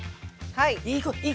はい。